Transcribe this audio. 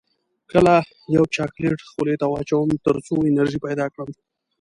کله یو چاکلیټ خولې ته واچوم تر څو انرژي پیدا کړم